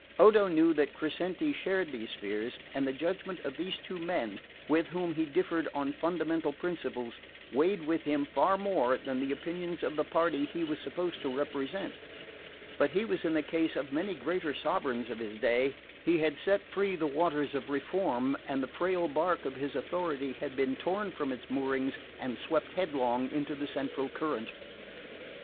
Odo knew that Crescenti shared these fears, and the judgment of these two men, with whom he differed on fundamental principles, weighed with him far more than the opinions of the party he was supposed to represent. But he was in the case of many greater sovereigns of his day. He had set free the waters of reform, and the frail bark of his authority had been torn from its moorings and swept headlong into the central current.